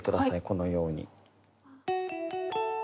このように。